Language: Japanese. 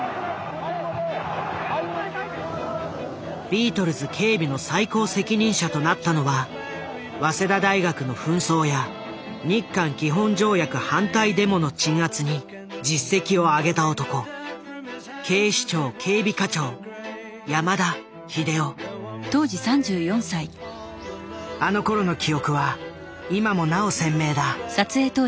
ビートルズ警備の最高責任者となったのは早稲田大学の紛争や日韓基本条約反対デモの鎮圧に実績を上げた男あのころの記憶は今もなお鮮明だ。